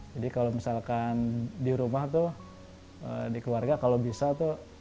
jadi kalau misalkan di rumah tuh di keluarga kalau bisa tuh